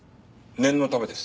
念のためです。